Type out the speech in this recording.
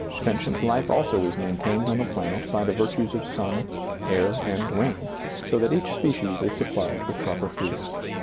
Sentient life also is maintained on the planet by the virtues of sun, air, and rain, so that each species is supplied with proper food.